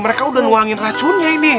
mereka udah nuangin racunnya ini